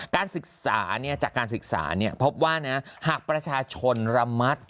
การศึกษาเนี่ยจากการศึกษาเนี่ยเพราะว่านะหากประชาชนระมัด